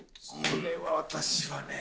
これは私はね。